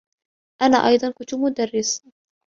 أنا أيضا كنت مدرّسا.